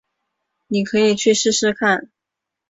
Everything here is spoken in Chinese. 妳可以去试试看